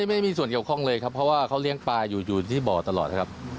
ไม่มีส่วนเกี่ยวข้องเลยครับเพราะว่าเขาเลี้ยงปลาอยู่ที่บ่อตลอดครับ